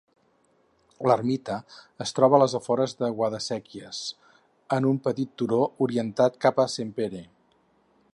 L'ermita es troba als afores de Guadasséquies, en un petit turó orientat cap a Sempere.